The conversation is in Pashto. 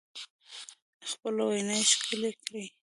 خپله وینا ښکلې کړئ